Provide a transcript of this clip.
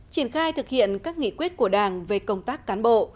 triển khai thực hiện các nghị quyết của đảng về công tác cán bộ